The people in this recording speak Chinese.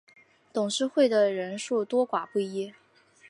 董事会的人数多寡不一。